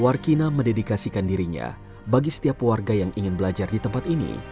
warkina mendedikasikan dirinya bagi setiap warga yang ingin belajar di tempat ini